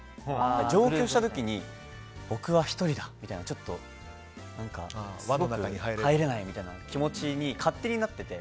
上京した時に僕は１人だみたいなちょっと、すごく入れないみたいな気持ちに勝手になっていて。